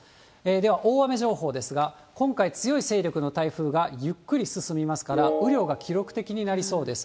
では大雨情報ですが、今回、強い勢力の台風がゆっくり進みますから、雨量が記録的になりそうです。